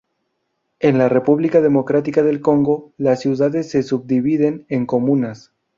En la República democrática del Congo, las ciudades se subdividen en comunas.